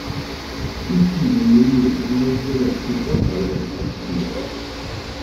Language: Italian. Infine egli è lieto di non dover più portare le pesanti pietre.